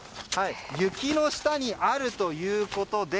雪の下にあるということで。